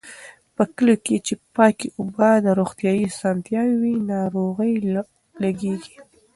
په کليو کې چې پاکې اوبه او روغتيايي اسانتیاوې وي، ناروغۍ لږېږي.